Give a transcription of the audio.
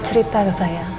cerita ke saya